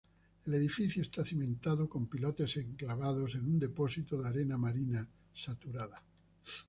El edificio está cimentado con pilotes enclavados en un depósito de arena marina saturada.